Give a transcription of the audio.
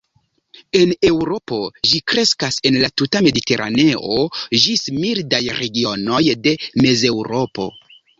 En Eŭropo ĝi kreskas en la tuta mediteraneo ĝis mildaj regionoj de Mezeŭropo.